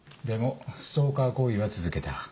でもストーカー行為は続けた。